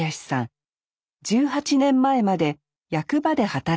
１８年前まで役場で働いていました。